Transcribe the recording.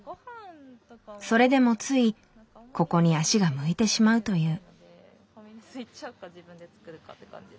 それでもついここに足が向いてしまうという。